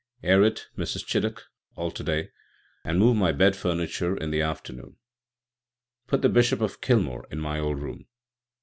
"Air it, Mrs. Chiddock, all to day, and move my bed furniture in in the afternoon. Put the Bishop of Kilmore in my old room."